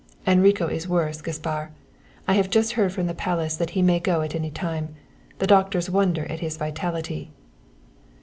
"Enrico is worse, Gaspar; I have just heard from the Palace that he may go at any time. The doctors wonder at his vitality."